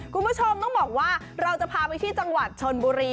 คุณผู้ชมต้องบอกว่าเราจะพาไปที่จังหวัดชนบุรี